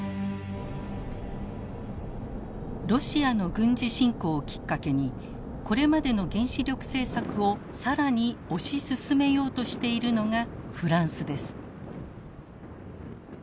ロシアの軍事侵攻をきっかけにこれまでの原子力政策を更に推し進めようとしているのがフランスです。